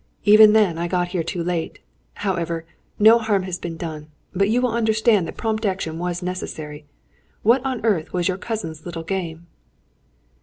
Even then I got here too late. However, no harm has been done. But you will understand that prompt action was necessary. What on earth was your cousin's little game?"